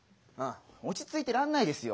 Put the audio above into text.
落ち着いてらんないですよ。